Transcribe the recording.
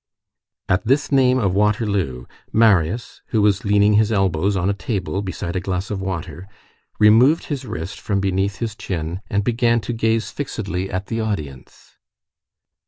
At this name of Waterloo, Marius, who was leaning his elbows on a table, beside a glass of water, removed his wrist from beneath his chin, and began to gaze fixedly at the audience.